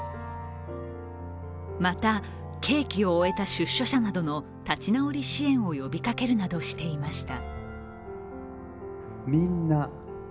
また、刑期を終えた出所者などの立ち直り支援を呼びかけるなどしていました。